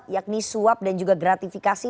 yakni suap dan juga gratifikasi